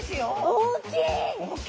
大きい！